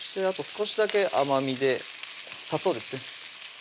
あと少しだけ甘みで砂糖ですね